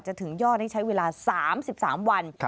ถึงยอดนี้ใช้เวลา๓๓วัน